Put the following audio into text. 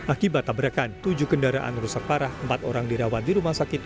akibat tabrakan tujuh kendaraan rusak parah empat orang dirawat di rumah sakit